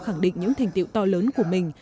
khẳng định những thành tiệu to lớn của mình